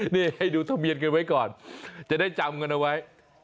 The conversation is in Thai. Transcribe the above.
นี่ให้ดูทะเบียนกันไว้ก่อนจะได้จำกันเอาไว้